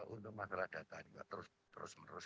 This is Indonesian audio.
untuk masalah data juga terus menerus